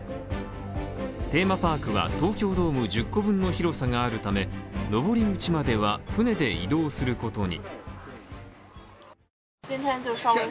テーマパークは東京ドーム１０個分の広さがあるため、登り口までは船で移動することに。